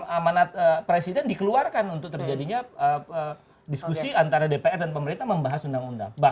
amanat presiden dikeluarkan untuk terjadinya diskusi antara dpr dan pemerintah membahas undang undang